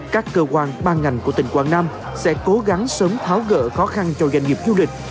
các cơ quan ban ngành của tỉnh quảng nam sẽ cố gắng sớm tháo gỡ khó khăn cho doanh nghiệp du lịch